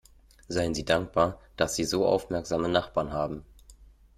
Seien Sie dankbar, dass Sie so aufmerksame Nachbarn haben!